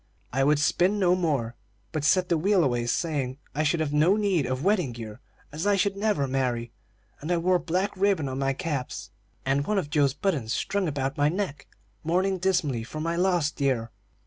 I would spin no more, but set the wheel away, saying I should have no need of wedding gear, as I should never marry; and I wore black ribbon on my caps, and one of Joe's buttons strung about my neck, mourning dismally for my lost dear.